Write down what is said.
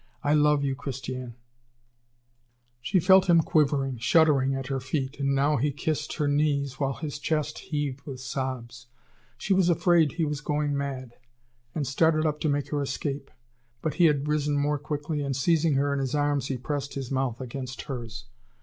I love you, Christiane!" She felt him quivering, shuddering at her feet. And now he kissed her knees, while his chest heaved with sobs. She was afraid that he was going mad, and started up to make her escape. But he had risen more quickly, and seizing her in his arms he pressed his mouth against hers.